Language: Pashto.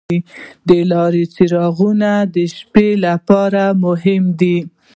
د لارې څراغونه د شپې لپاره مهم دي.